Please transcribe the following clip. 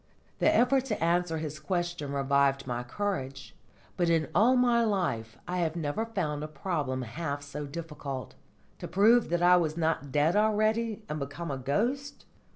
The effort to answer his question revived my courage. But in all my life I have never found a problem half so difficult. To prove that I was not dead already and become a ghost!